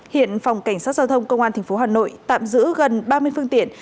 hiện phòng cảnh sát giao thông công an tp hà nội tạm giữ gần ba mươi phương tiện